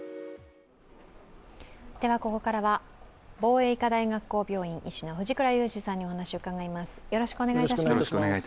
ここからは防衛医科大学校病院医師の藤倉雄二さんにお話を伺います。